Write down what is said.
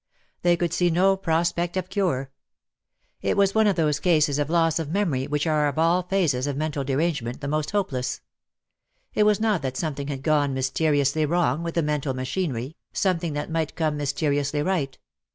They could see no pro spect of cure. It was one of those cases of loss of memory which are of all phases of mental derange DEAD LOVE HAS CHAINS. 53 ment the most hopeless. It was not that something had gone mysteriously wrong with the mental machinery, something that might come mysteriously right.